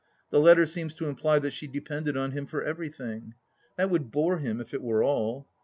The letter seems to imply that she depended on him for everything. That would bore him, if it were all.